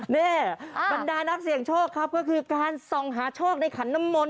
นี่บรรดานักเสี่ยงโชคครับก็คือการส่องหาโชคในขันน้ำมนต